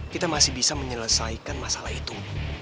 kita masih bisa menyelesaikan masalah itu